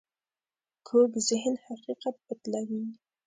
کوږ ذهن حقیقت بدلوي